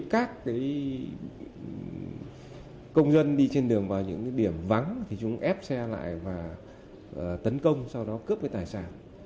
các công dân đi trên đường vào những điểm vắng thì chúng ép xe lại và tấn công sau đó cướp cái tài sản